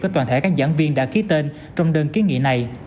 với toàn thể các giảng viên đã ký tên trong đơn kiến nghị này